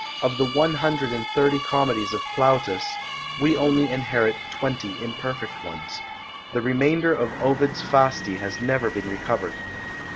Of the one hundred and thirty comedies of Plautus, we only inherit twenty imperfect ones. The remainder of Ovid's Fasti has never been recovered.